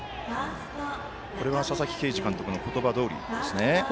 これは佐々木啓司監督の言葉どおりですね。